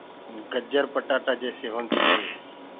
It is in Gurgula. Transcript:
گجر پٽآٽآ جيسي هوندي هي۔